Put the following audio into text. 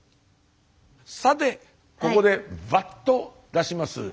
さてここでバッと出します